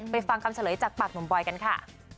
ฟังคำเฉลยจากปากหนุ่มบอยกันค่ะ